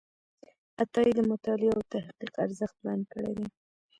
عطایي د مطالعې او تحقیق ارزښت بیان کړی دی.